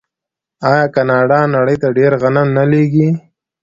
آیا کاناډا نړۍ ته ډیر غنم نه لیږي؟